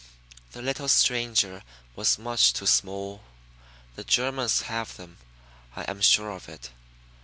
The little stranger was much too small. The Germans have them, I am sure of it."